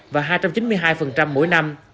và hai trăm chín mươi hai mỗi năm